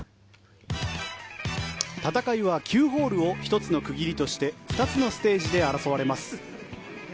戦いは９ホールを１つの区切りとして２つのステージで争われます。